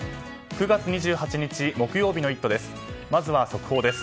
９月２８日、木曜日の「イット！」です。